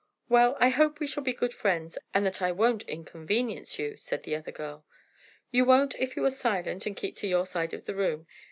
"Well, I hope we shall be good friends, and that I won't inconvenience you," said the other girl. "You won't if you are silent and keep to your side of the room.